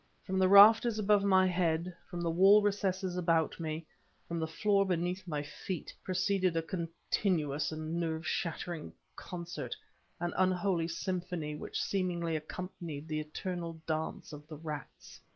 From the rafters above my head, from the wall recesses about me, from the floor beneath my feet, proceeded a continuous and nerve shattering concert, an unholy symphony which seemingly accompanied the eternal dance of the rats.